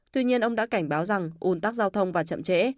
tuy nhiên ông đã cảnh báo rằng ủn tắc giao thông và chậm trễ